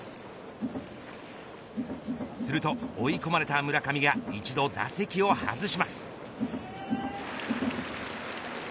すると、追い込まれた村上が一度、打席を外します。